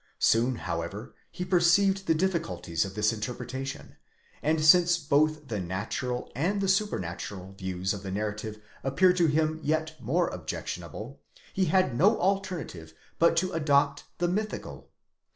Soon however he perceived the diffi culties of this interpretation; and since both the natural and the supernatural views of the narrative appeared to him yet more objectionable, he had no alternative but to adopt the mythical.